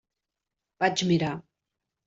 Vaig mirar.